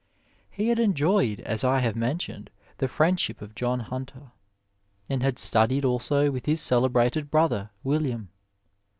He had enjoyed, as I have mentioned, the friend ship of John Hunter, and had studied also with his cele brated brother, William.